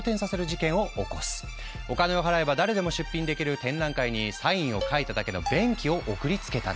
お金を払えば誰でも出品できる展覧会にサインを書いただけの便器を送りつけたんだ。